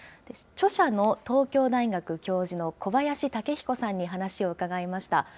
著者の東京大学教授の小林武彦さんに話を伺いました。